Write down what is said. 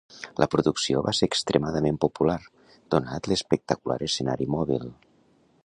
La producció va ser extremadament popular, donat l'espectacular escenari mòbil.